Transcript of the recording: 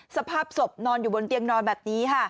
สภาพศพนอนอยู่บนเตียงนอนแบบนี้ค่ะ